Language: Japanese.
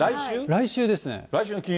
来週ですね。